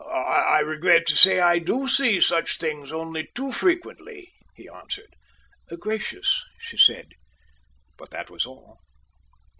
"I regret to say I do see such things only too frequently," he answered. "Gracious!" she said; but that was all.